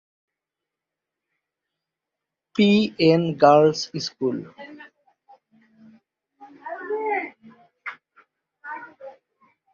বিদ্যালয়টি "P N girls school" নামেও স্থানীয়ভাবে পরিচিত।